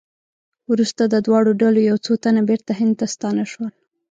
وروسته د دواړو ډلو یو څو تنه بېرته هند ته ستانه شول.